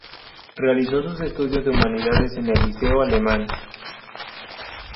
Realizó sus estudios de Humanidades en el Liceo Alemán.